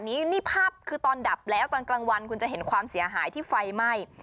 นี่นี่ภาพคือตอนดับแล้วตอนกลางวันคุณจะเห็นความเสียหายที่ไฟไหม้